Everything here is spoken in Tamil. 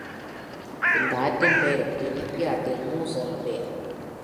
இந்த ஆற்றின் பெயருக்கு இனுபியாட்டில் “மூஸ்” என்று பொருள்.